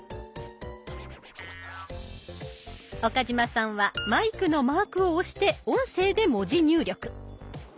岡嶋さんはマイクのマークを押して音声で文字入力。